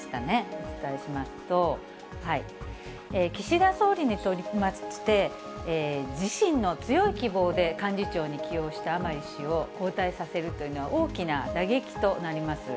お伝えしますと、岸田総理にとりまして、自身の強い希望で幹事長に起用した甘利氏を交代させるというのは大きな打撃となります。